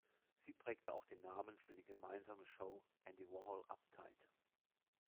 Sie prägte auch den Namen für die gemeinsame Show "Andy Warhol Up-Tight".